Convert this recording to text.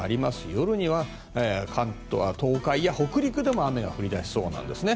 夜には東海や北陸でも雨が降り出しそうなんですね。